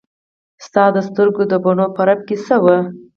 ستا د سترګو د بڼو په رپ کې څه وو.